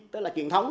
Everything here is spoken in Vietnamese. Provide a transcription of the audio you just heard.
tức là truyền thống